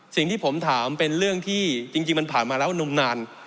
สิ่งที่ผมถามเป็นเรื่องที่จริงมันผ่านมาแล้วนมนาน